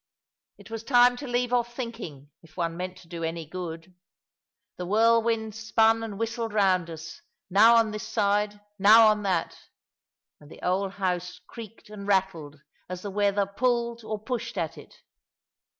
It was time to leave off thinking, if one meant to do any good. The whirlwinds spun and whistled round us, now on this side, now on that; and the old house creaked and rattled as the weather pulled or pushed at it.